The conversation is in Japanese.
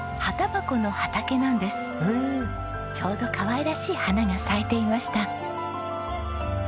ちょうどかわいらしい花が咲いていました。